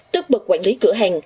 tức bậc quản lý cửa hàng